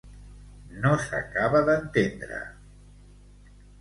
No s’acaba d’entendre….